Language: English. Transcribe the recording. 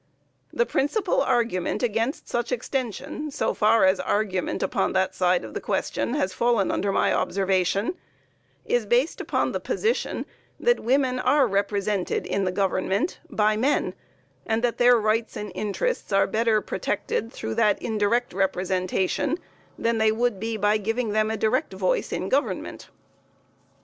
The principal argument against such extension, so far as argument upon that side of the question has fallen under my observation, is based upon the position that women are represented in the government by men, and that their rights and interests are better protected through that indirect representation than they would be by giving them a direct voice in the government.